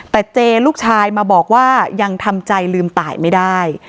แต่เจลูกชายมาบอกว่ายังทำใจลืมตายไม่ได้